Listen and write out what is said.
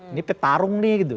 ini petarung nih gitu